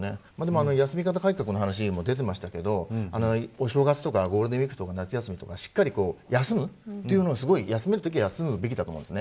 休み方改革の話も出てましたけどお正月やゴールデンウイーク夏休みとかしっかり休むというのは休めるときは休むべきだと思います。